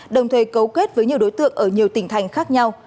đồng thời cấu kết với nhiều đối tượng ở nhiều tỉnh thành khác nhau